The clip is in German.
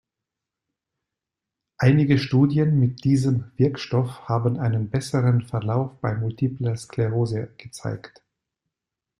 Einige Studien mit diesem Wirkstoff haben einen besseren Verlauf bei Multipler Sklerose gezeigt.